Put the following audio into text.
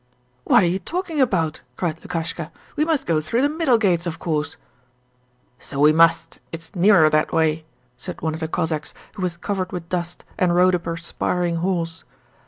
'What are you talking about?' cried Lukashka. 'We must go through the middle gates, of course.' 'So we must, it's nearer that way,' said one of the Cossacks who was covered with dust and rode a perspiring horse.